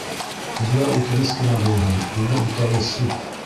Беҙгә үтенес кенә булһын, уны үтәүе сүп!